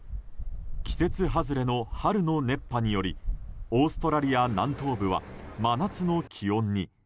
季節外れの春の熱波によりオーストラリア南東部は真夏の気温に。